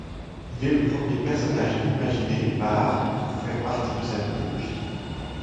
Il est le premier personnage imaginé par pour faire partie de sa mythologie.